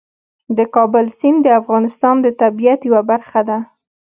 د کابل سیند د افغانستان د طبیعت یوه برخه ده.